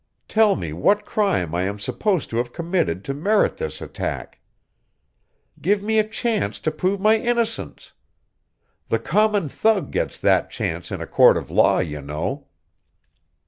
Tell me what crime I am supposed to have committed to merit this attack. Give me a chance to prove my innocence! The common thug gets that chance in a court of law, you know."